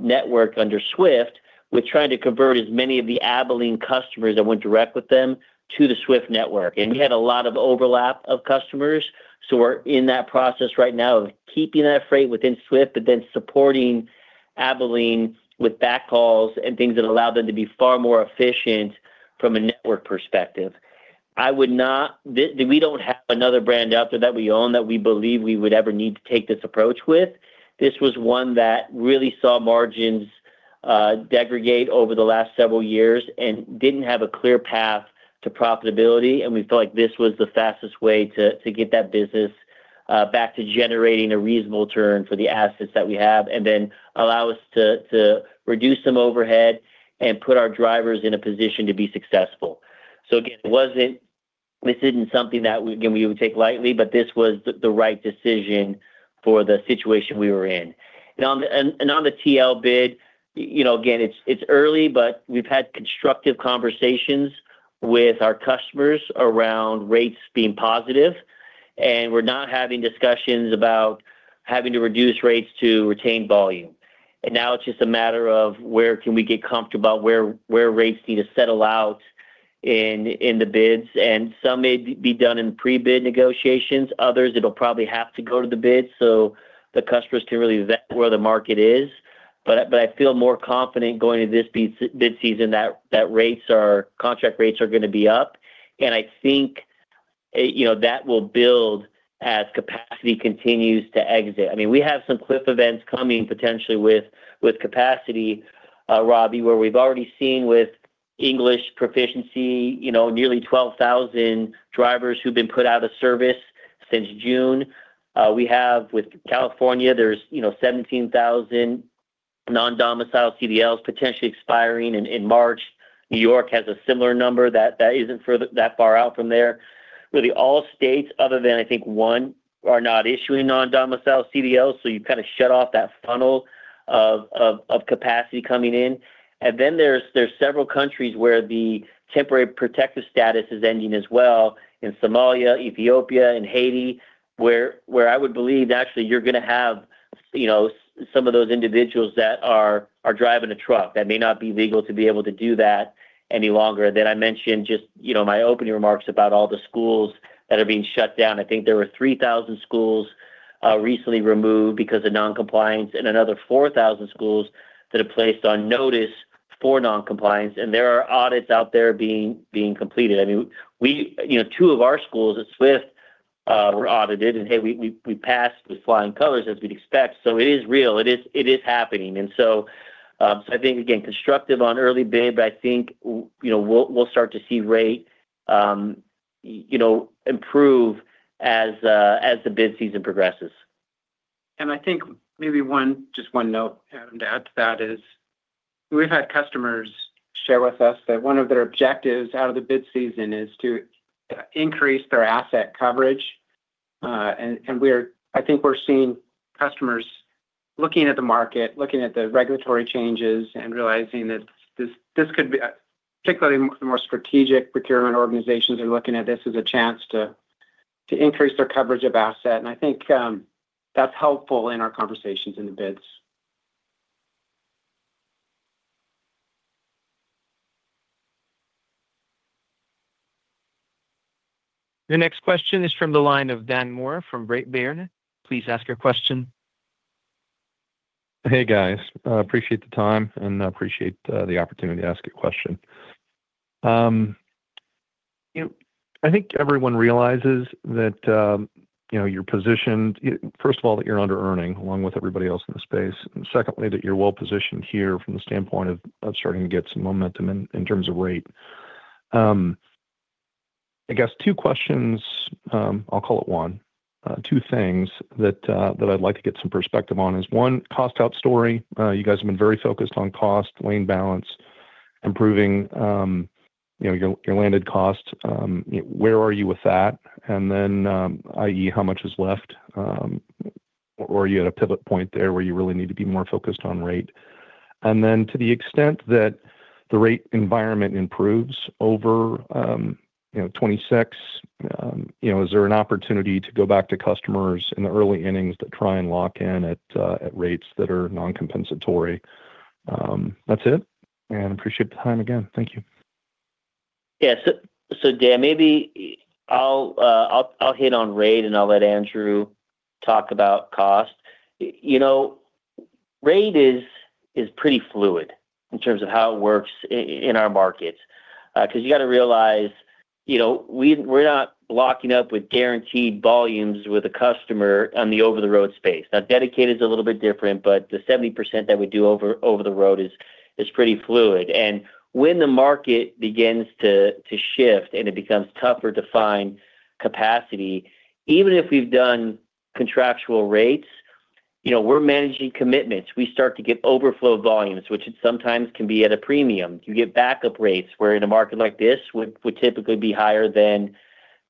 network under Swift. We're trying to convert as many of the Abilene customers that went direct with them to the Swift network. And we had a lot of overlap of customers. So we're in that process right now of keeping that freight within Swift, but then supporting Abilene with backhauls and things that allow them to be far more efficient from a network perspective. We don't have another brand out there that we own that we believe we would ever need to take this approach with. This was one that really saw margins degrade over the last several years and didn't have a clear path to profitability, and we felt like this was the fastest way to get that business back to generating a reasonable turn for the assets that we have and then allow us to reduce some overhead and put our drivers in a position to be successful, so again, this isn't something that, again, we would take lightly, but this was the right decision for the situation we were in, and on the TL bid, again, it's early, but we've had constructive conversations with our customers around rates being positive, and we're not having discussions about having to reduce rates to retain volume, and now it's just a matter of where can we get comfortable about where rates need to settle out in the bids, and some may be done in pre-bid negotiations. Others, it'll probably have to go to the bid so the customers can really vet where the market is. But I feel more confident going into this bid season that contract rates are going to be up. And I think that will build as capacity continues to exit. I mean, we have some cliff events coming potentially with capacity, Ravi, where we've already seen with English proficiency, nearly 12,000 drivers who've been put out of service since June. We have with California, there's 17,000 non-domicile CDLs potentially expiring in March. New York has a similar number that isn't that far out from there. Really, all states, other than I think one, are not issuing non-domicile CDLs. So you kind of shut off that funnel of capacity coming in. And then there are several countries where the Temporary Protected Status is ending as well in Somalia, Ethiopia, and Haiti, where I would believe actually you're going to have some of those individuals that are driving a truck that may not be legal to be able to do that any longer. Then I mentioned just my opening remarks about all the schools that are being shut down. I think there were 3,000 schools recently removed because of non-compliance and another 4,000 schools that are placed on notice for non-compliance. And there are audits out there being completed. I mean, two of our schools at Swift were audited, and hey, we passed with flying colors as we'd expect. So it is real. It is happening. And so I think, again, constructive on early bid, but I think we'll start to see rate improve as the bid season progresses. I think maybe just one note to add to that is we've had customers share with us that one of their objectives out of the bid season is to increase their asset coverage. I think we're seeing customers looking at the market, looking at the regulatory changes and realizing that this could be particularly the more strategic procurement organizations are looking at this as a chance to increase their coverage of asset. I think that's helpful in our conversations in the bids. The next question is from the line of Dan Moore from CJS Securities. Please ask your question. Hey, guys. Appreciate the time and appreciate the opportunity to ask a question. I think everyone realizes that you're positioned, first of all, that you're underearning along with everybody else in the space. And secondly, that you're well positioned here from the standpoint of starting to get some momentum in terms of rate. I guess two questions, I'll call it one. Two things that I'd like to get some perspective on is one, cost-out story. You guys have been very focused on cost, weighing balance, improving your landed cost. Where are you with that? And then, i.e., how much is left? Or are you at a pivot point there where you really need to be more focused on rate? And then to the extent that the rate environment improves over 2026, is there an opportunity to go back to customers in the early innings that try and lock in at rates that are non-compensatory? That's it. And appreciate the time again. Thank you. Yeah. So Dan, maybe I'll hit on rate and I'll let Andrew talk about cost. Rate is pretty fluid in terms of how it works in our markets. Because you got to realize we're not locking up with guaranteed volumes with a customer on the over-the-road space. Now, dedicated is a little bit different, but the 70% that we do over the road is pretty fluid, and when the market begins to shift and it becomes tougher to find capacity, even if we've done contractual rates, we're managing commitments. We start to get overflow volumes, which sometimes can be at a premium. You get backup rates, where in a market like this would typically be higher than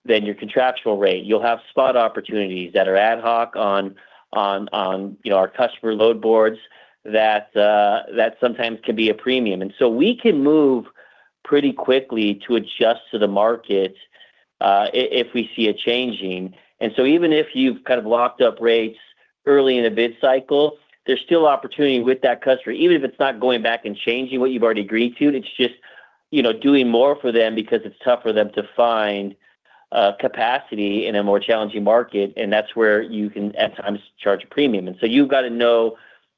your contractual rate. You'll have spot opportunities that are ad hoc on our customer load boards that sometimes can be a premium. And so we can move pretty quickly to adjust to the market if we see it changing. And so even if you've kind of locked up rates early in a bid cycle, there's still opportunity with that customer. Even if it's not going back and changing what you've already agreed to, it's just doing more for them because it's tough for them to find capacity in a more challenging market. And that's where you can at times charge a premium. And so you've got to know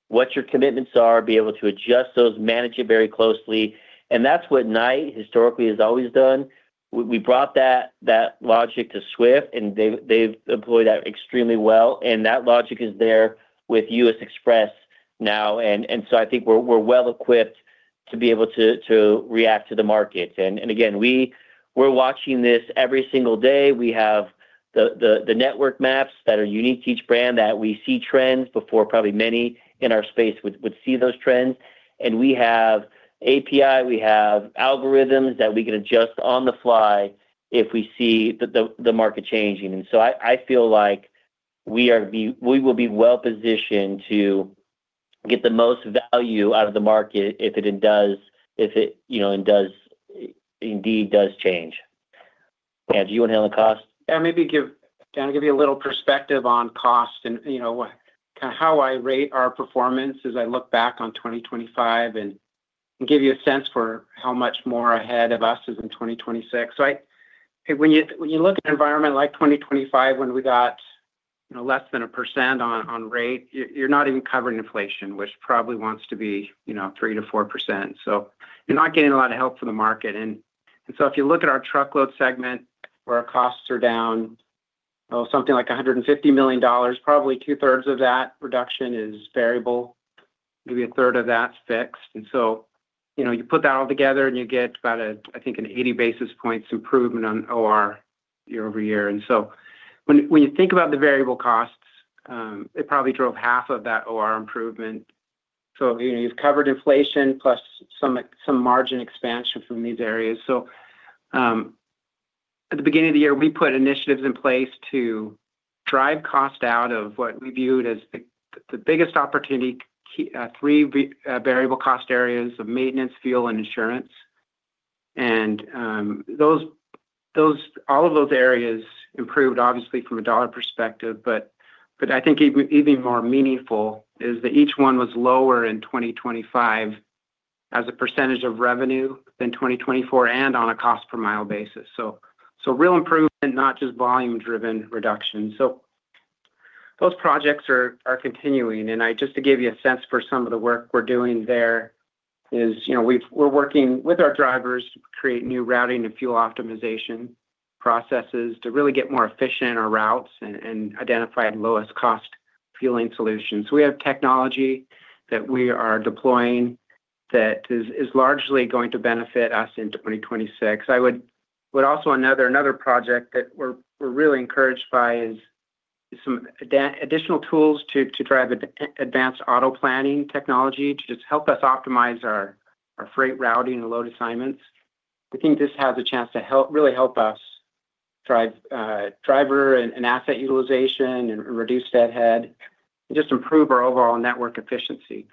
what your commitments are, be able to adjust those, manage it very closely. And that's what Knight historically has always done. We brought that logic to Swift, and they've employed that extremely well. And that logic is there with U.S. Xpress now. And so I think we're well equipped to be able to react to the market. Again, we're watching this every single day. We have the network maps that are unique to each brand that we see trends before probably many in our space would see those trends. We have API. We have algorithms that we can adjust on the fly if we see the market changing. So I feel like we will be well positioned to get the most value out of the market if it does indeed change. Andrew, you want to handle the cost? Yeah. Maybe Dan, give you a little perspective on cost and kind of how I rate our performance as I look back on 2025 and give you a sense for how much more ahead of us is in 2026. So when you look at an environment like 2025, when we got less than 1% on rate, you're not even covering inflation, which probably wants to be 3%-4%. So you're not getting a lot of help from the market. And so if you look at our truckload segment, where our costs are down, well, something like $150 million, probably two-thirds of that reduction is variable. Maybe a third of that's fixed. And so you put that all together, and you get about, I think, an 80 basis points improvement on OR year-over-year. When you think about the variable costs, it probably drove half of that OR improvement. So you've covered inflation plus some margin expansion from these areas. At the beginning of the year, we put initiatives in place to drive cost out of what we viewed as the biggest opportunity: three variable cost areas of maintenance, fuel, and insurance. All of those areas improved, obviously, from a dollar perspective. But I think even more meaningful is that each one was lower in 2025 as a percentage of revenue than 2024 and on a cost per mile basis. So real improvement, not just volume-driven reduction. Those projects are continuing. Just to give you a sense for some of the work we're doing there is we're working with our drivers to create new routing and fuel optimization processes to really get more efficient in our routes and identify lowest-cost fueling solutions. So we have technology that we are deploying that is largely going to benefit us in 2026. I would also another project that we're really encouraged by is some additional tools to drive advanced auto planning technology to just help us optimize our freight routing and load assignments. I think this has a chance to really help us drive driver and asset utilization and reduce deadhead and just improve our overall network efficiency.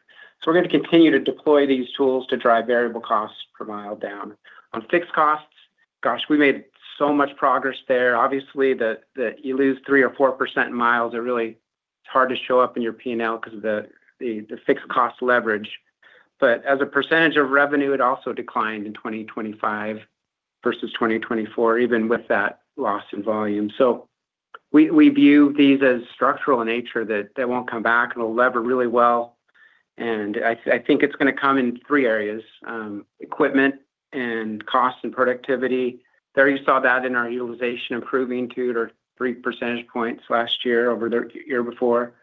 So we're going to continue to deploy these tools to drive variable costs per mile down. On fixed costs, gosh, we made so much progress there. Obviously, that you lose 3% or 4% in miles are really hard to show up in your P&L because of the fixed cost leverage. But as a percentage of revenue, it also declined in 2025 versus 2024, even with that loss in volume. So we view these as structural in nature that won't come back and will lever really well. And I think it's going to come in three areas: equipment and cost and productivity. There you saw that in our utilization improving two to three percentage points last year over the year before.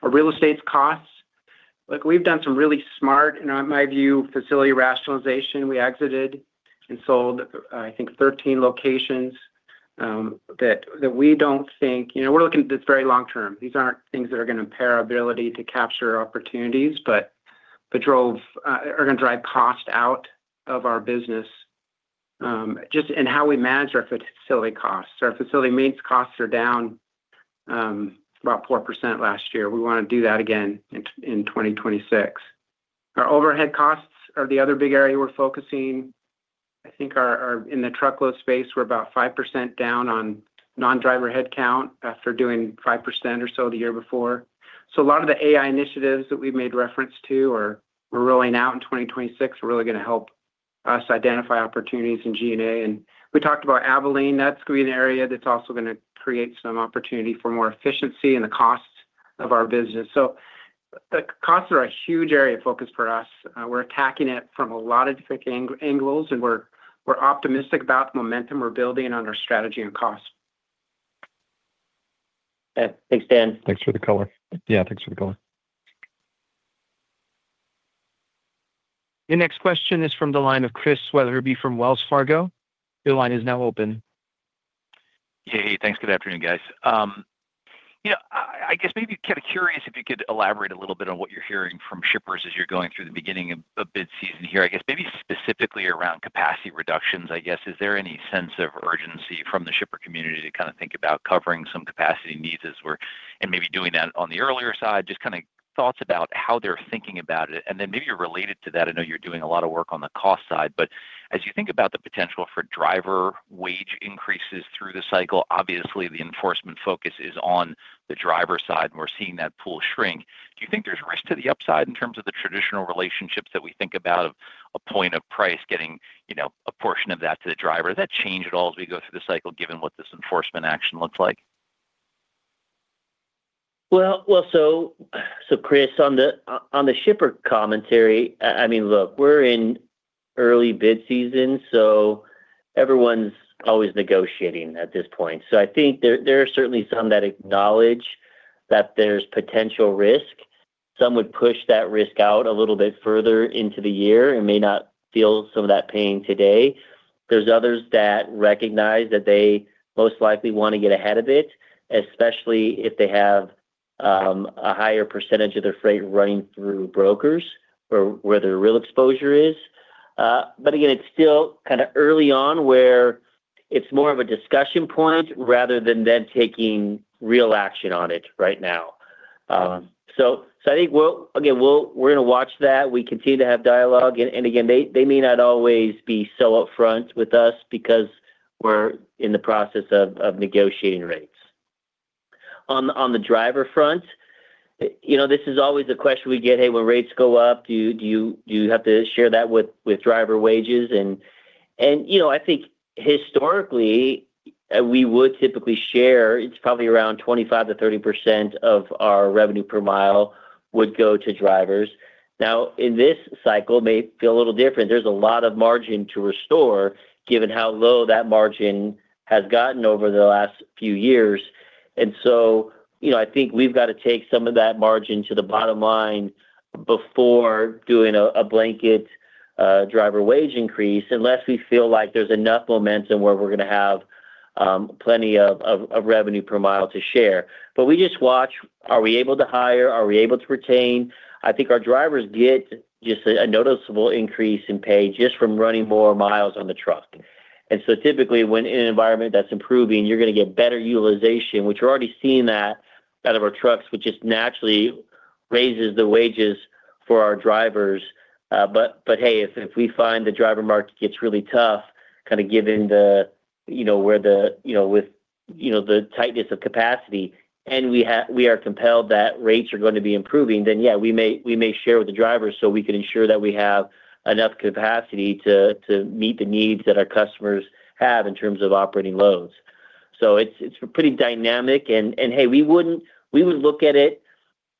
Our real estate's costs, we've done some really smart, in my view, facility rationalization. We exited and sold, I think, 13 locations that we don't think we're looking at this very long term. These aren't things that are going to impair our ability to capture opportunities, but are going to drive cost out of our business just in how we manage our facility costs. Our facility maintenance costs are down about 4% last year. We want to do that again in 2026. Our overhead costs are the other big area we're focusing. I think in the truckload space, we're about 5% down on non-driver headcount after doing 5% or so the year before. So a lot of the AI initiatives that we've made reference to are rolling out in 2026. We're really going to help us identify opportunities in G&A, and we talked about Abilene. That's going to be an area that's also going to create some opportunity for more efficiency in the costs of our business, so the costs are a huge area of focus for us. We're attacking it from a lot of different angles, and we're optimistic about the momentum we're building on our strategy and cost. Thanks, Dan. Thanks for the color. Yeah, thanks for the color. Your next question is from the line of Chris Wetherbee from Wells Fargo. Your line is now open. Hey, hey. Thanks. Good afternoon, guys. I guess maybe kind of curious if you could elaborate a little bit on what you're hearing from shippers as you're going through the beginning of bid season here. I guess maybe specifically around capacity reductions, I guess. Is there any sense of urgency from the shipper community to kind of think about covering some capacity needs as we're and maybe doing that on the earlier side? Just kind of thoughts about how they're thinking about it. And then maybe related to that, I know you're doing a lot of work on the cost side, but as you think about the potential for driver wage increases through the cycle, obviously, the enforcement focus is on the driver side, and we're seeing that pool shrink. Do you think there's risk to the upside in terms of the traditional relationships that we think about of a point of price getting a portion of that to the driver? Does that change at all as we go through the cycle, given what this enforcement action looks like? Well, so Chris, on the shipper commentary, I mean, look, we're in early bid season, so everyone's always negotiating at this point. So I think there are certainly some that acknowledge that there's potential risk. Some would push that risk out a little bit further into the year and may not feel some of that pain today. There's others that recognize that they most likely want to get ahead of it, especially if they have a higher percentage of their freight running through brokers where their real exposure is. But again, it's still kind of early on where it's more of a discussion point rather than them taking real action on it right now. So I think, again, we're going to watch that. We continue to have dialogue. And again, they may not always be so upfront with us because we're in the process of negotiating rates. On the driver front, this is always the question we get. Hey, when rates go up, do you have to share that with driver wages? And I think historically, we would typically share. It's probably around 25%-30% of our revenue per mile would go to drivers. Now, in this cycle, it may feel a little different. There's a lot of margin to restore given how low that margin has gotten over the last few years. And so I think we've got to take some of that margin to the bottom line before doing a blanket driver wage increase unless we feel like there's enough momentum where we're going to have plenty of revenue per mile to share. But we just watch, are we able to hire? Are we able to retain? I think our drivers get just a noticeable increase in pay just from running more miles on the truck, and so typically, when in an environment that's improving, you're going to get better utilization, which we're already seeing that out of our trucks, which just naturally raises the wages for our drivers, but hey, if we find the driver market gets really tough, kind of given where the with the tightness of capacity, and we are compelled that rates are going to be improving, then yeah, we may share with the drivers so we can ensure that we have enough capacity to meet the needs that our customers have in terms of operating loads, so it's pretty dynamic, and hey, we would look at it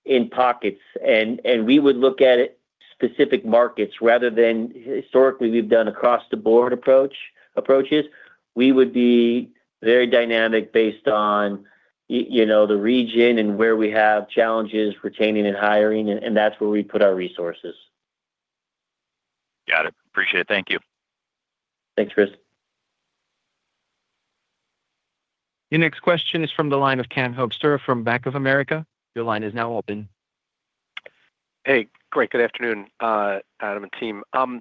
in pockets, and we would look at specific markets rather than historically we've done across-the-board approaches. We would be very dynamic based on the region and where we have challenges retaining and hiring, and that's where we put our resources. Got it. Appreciate it. Thank you. Thanks, Chris. Your next question is from the line of Ken Hoexter from Bank of America. Your line is now open. Hey, great. Good afternoon, Adam and team, so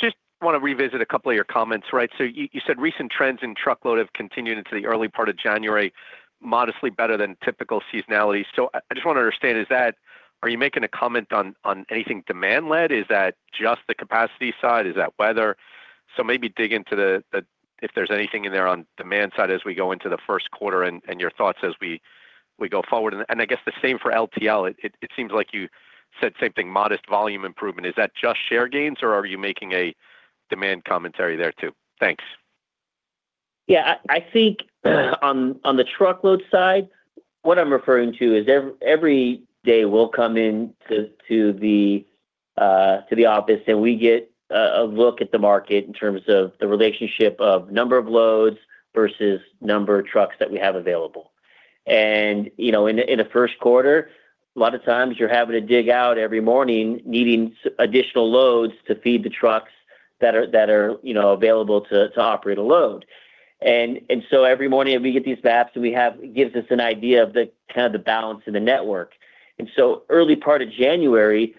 just want to revisit a couple of your comments, right, so you said recent trends in truckload have continued into the early part of January, modestly better than typical seasonality, so I just want to understand, are you making a comment on anything demand-led? Is that just the capacity side? Is that weather, so maybe dig into if there's anything in there on demand side as we go into the first quarter and your thoughts as we go forward, and I guess the same for LTL. It seems like you said same thing, modest volume improvement. Is that just share gains, or are you making a demand commentary there too? Thanks. Yeah. I think on the truckload side, what I'm referring to is every day we'll come into the office, and we get a look at the market in terms of the relationship of number of loads versus number of trucks that we have available. And in the first quarter, a lot of times you're having to dig out every morning needing additional loads to feed the trucks that are available to operate a load. And so every morning we get these maps, and it gives us an idea of kind of the balance in the network. And so early part of January,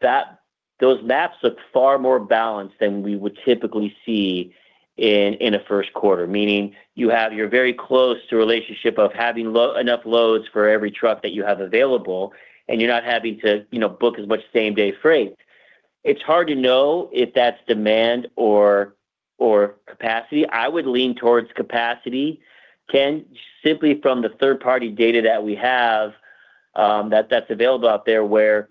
those maps look far more balanced than we would typically see in a first quarter, meaning you have your very close relationship of having enough loads for every truck that you have available, and you're not having to book as much same-day freight. It's hard to know if that's demand or capacity. I would lean towards capacity, Ken, simply from the third-party data that we have that's available out there where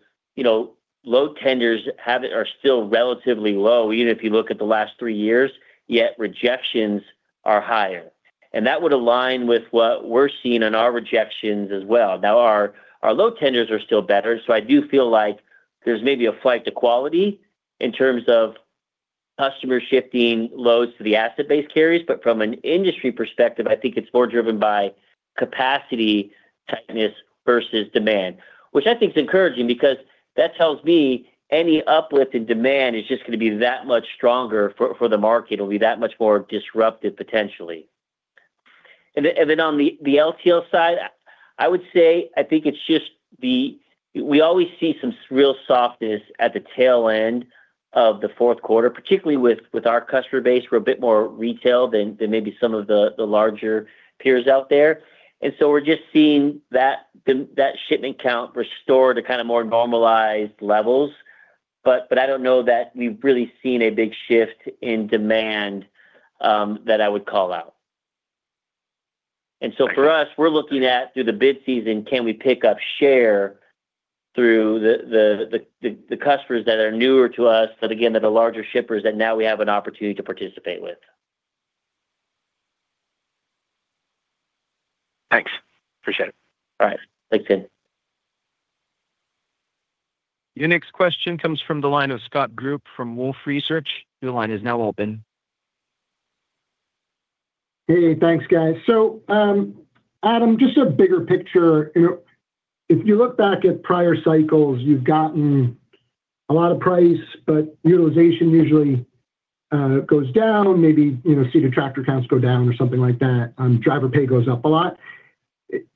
load tenders are still relatively low, even if you look at the last three years, yet rejections are higher, and that would align with what we're seeing in our rejections as well. Now, our load tenders are still better, so I do feel like there's maybe a flight to quality in terms of customers shifting loads to the asset-based carriers, but from an industry perspective, I think it's more driven by capacity tightness versus demand, which I think is encouraging because that tells me any uplift in demand is just going to be that much stronger for the market. It'll be that much more disruptive potentially. And then on the LTL side, I would say I think it's just that we always see some real softness at the tail end of the fourth quarter, particularly with our customer base. We're a bit more retail than maybe some of the larger peers out there. And so we're just seeing that shipment count restore to kind of more normalized levels. But I don't know that we've really seen a big shift in demand that I would call out. And so for us, we're looking at through the bid season, can we pick up share through the customers that are newer to us, but again, that are larger shippers that now we have an opportunity to participate with. Thanks. Appreciate it. All right. Thanks, Ken. Your next question comes from the line of Scott Group from Wolfe Research. Your line is now open. Hey, thanks, guys. So Adam, just a bigger picture. If you look back at prior cycles, you've gotten a lot of price, but utilization usually goes down, maybe seated tractor counts go down or something like that. Driver pay goes up a lot.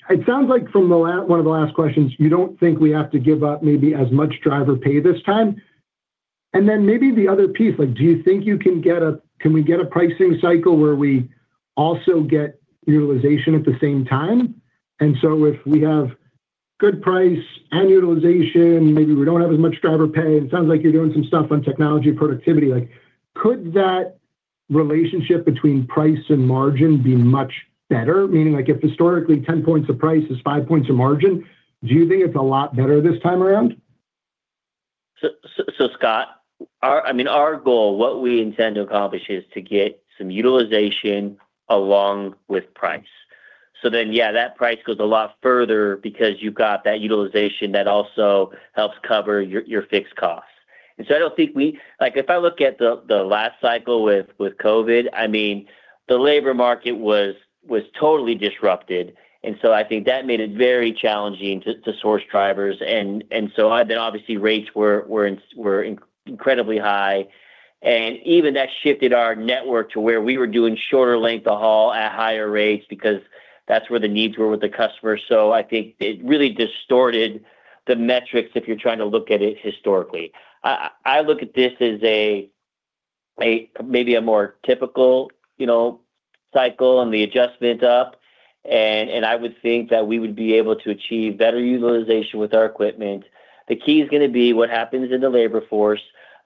It sounds like from one of the last questions, you don't think we have to give up maybe as much driver pay this time. And then maybe the other piece, do you think we can get a pricing cycle where we also get utilization at the same time? And so if we have good price and utilization, maybe we don't have as much driver pay. It sounds like you're doing some stuff on technology productivity. Could that relationship between price and margin be much better? Meaning if historically 10 points of price is five points of margin, do you think it's a lot better this time around? So, Scott, I mean, our goal, what we intend to accomplish, is to get some utilization along with price. So then, yeah, that price goes a lot further because you've got that utilization that also helps cover your fixed costs. And so I don't think we, if I look at the last cycle with COVID, I mean, the labor market was totally disrupted. And so I think that made it very challenging to source drivers. And so then obviously rates were incredibly high. And even that shifted our network to where we were doing shorter length of haul at higher rates because that's where the needs were with the customers. So I think it really distorted the metrics if you're trying to look at it historically. I look at this as maybe a more typical cycle and the adjustment up. I would think that we would be able to achieve better utilization with our equipment. The key is going to be what happens in the labor force.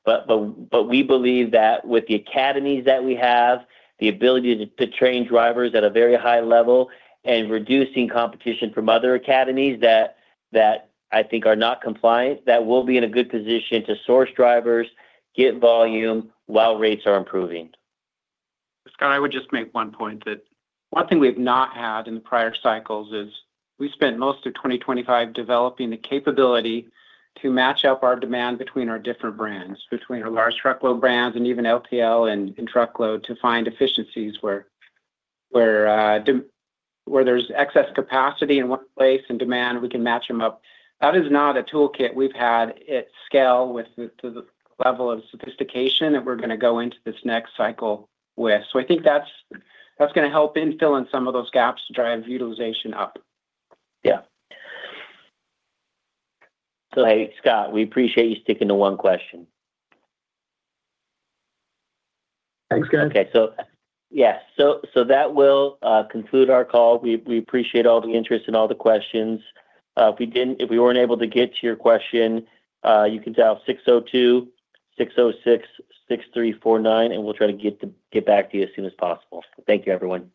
We believe that with the academies that we have, the ability to train drivers at a very high level and reducing competition from other academies that I think are not compliant, that we'll be in a good position to source drivers, get volume while rates are improving. Scott, I would just make one point that one thing we've not had in the prior cycles is we spent most of 2025 developing the capability to match up our demand between our different brands, between our large truckload brands and even LTL and truckload to find efficiencies where there's excess capacity in one place and demand. We can match them up. That is not a toolkit we've had at scale with the level of sophistication that we're going to go into this next cycle with. So I think that's going to help in filling some of those gaps to drive utilization up. Yeah. So hey, Scott, we appreciate you sticking to one question. Thanks, guys. Okay. So yeah, that will conclude our call. We appreciate all the interest and all the questions. If we weren't able to get to your question, you can dial 602-606-6349, and we'll try to get back to you as soon as possible. Thank you, everyone.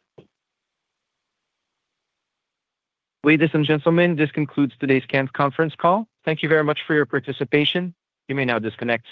Ladies and gentlemen, this concludes today's conference call. Thank you very much for your participation. You may now disconnect.